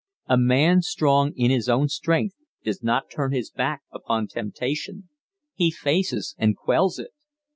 A man strong in his own strength does not turn his back upon temptation; he faces and quells it.